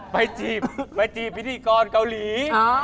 จีบไปจีบพิธีกรเกาหลี